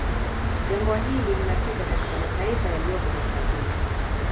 Jangwa hili linapita katika mataifa yaliyopo kaskazini